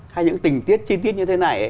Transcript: hay những tình tiết chi tiết như thế này